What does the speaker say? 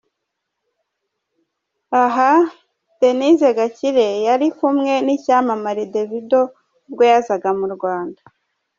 Aha Denise Gakire yari kumwe n'icyamamare Davido ubwo yazaga mu Rwanda.